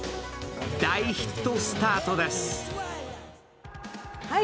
大ヒットスタートです。